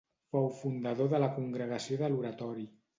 Fou fundador de la Congregació de l'Oratori.